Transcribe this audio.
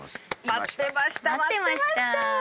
待ってました。